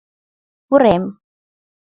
Пурем...